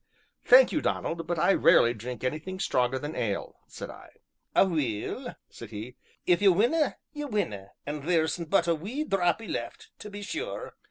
"Thank you, Donald, but I rarely drink anything stronger than ale," said I. "Aweel!" said he, "if ye winna', ye winna', an' there's but a wee drappie left, tae be sure."